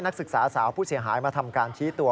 นักศึกษาสาวผู้เสียหายมาทำการชี้ตัว